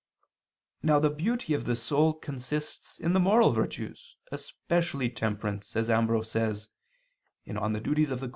Now the beauty of the soul consists in the moral virtues, especially temperance, as Ambrose says (De Offic.